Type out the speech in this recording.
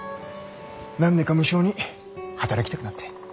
何でか無性に働きたくなって。